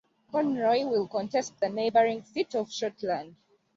Conroy will contest the neighbouring seat of Shortland.